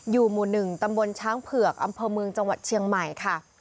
อยู่หมู่๑ตำบลช้างเผือกอำเภอเมืองจังหวัดเชียงใหม่ค่ะ